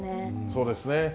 そうですね。